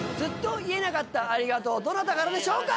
どなたからでしょうか。